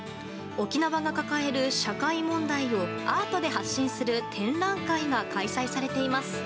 沖縄が抱える社会問題をアートで発信する展覧会が開催されています。